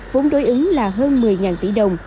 vốn đối ứng là hơn một mươi tỷ đồng